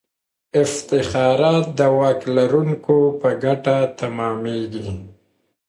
افتخارات د واک لرونکو په ګټه تمامیږي.